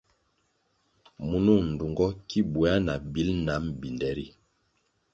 Munung ndtungo ki buéah na bil nam binde ri.